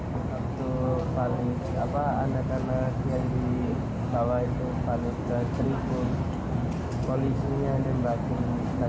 waktu paling apa anda karena dia di bawah itu paling berat tribun polisinya dan bagi stasiun kita